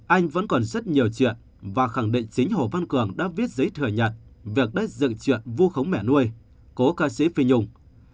anh vẫn còn rất nhiều chuyện và khẳng định chính hồ văn cường đã viết giấy thừa nhận việc đất dựng chuyện vu khống mẻ nuôi cố ca sĩ phi nhung